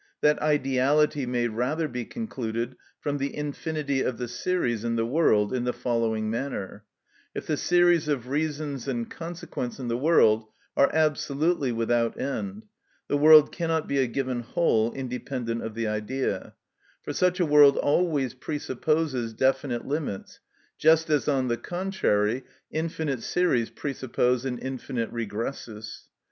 That ideality may rather be concluded from the infinity of the series in the world in the following manner:—If the series of reasons and consequents in the world are absolutely without end, the world cannot be a given whole independent of the idea; for such a world always presupposes definite limits, just as on the contrary infinite series presuppose an infinite regressus.